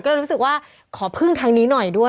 ก็เลยรู้สึกว่าขอพึ่งทางนี้หน่อยด้วย